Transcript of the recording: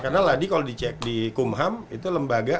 karena ladi kalau dicek di kumham itu lembaga